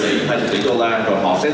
thì mình tìm ý về hướng grab